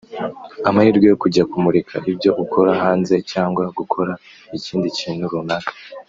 amahirwe yo kujya kumurika ibyo ukora hanze cyangwa gukora ikindi kintu runaka